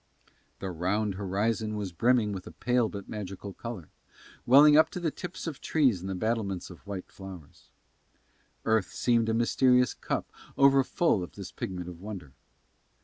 The round horizon was brimming with a pale but magical colour, welling up to the tips of trees and the battlements of white towers. Earth seemed a mysterious cup overfull of this pigment of wonder.